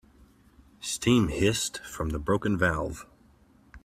Steam hissed from the broken valve.